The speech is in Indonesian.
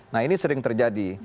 nah ini sering terjadi